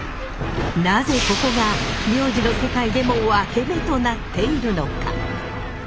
なぜここが名字の世界でもワケメとなっているのか。